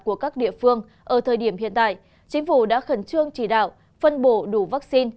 của các địa phương ở thời điểm hiện tại chính phủ đã khẩn trương chỉ đạo phân bổ đủ vaccine